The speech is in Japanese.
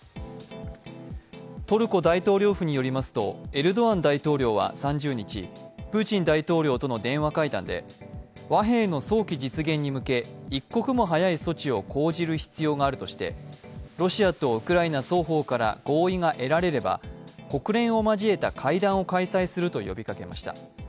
トルコ大統領府によりますと、エルドアン大統領は３０日、プーチン大統領との電話会談で和平の早期実現に向け一刻も早い措置を講じる必要があるとしてロシアとウクライナ双方から合意が得られれば国連を交えた会談を開催すると呼びかけました。